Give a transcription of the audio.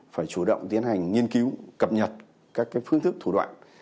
phải chủ động tiến hành nghiên cứu cập nhật các phương thức thủ đoạn